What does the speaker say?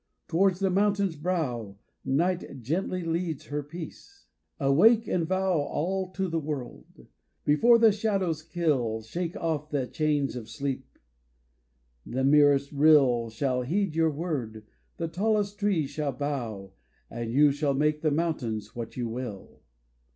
Towards the mountain's brow Night gently leads her peace. Awake and vow All to the world ! Before the shadows kill Shake off the chains of sleep : the merest rill Shall heed your word, the tallest tree shall bow, And you shall make the mountains what you will.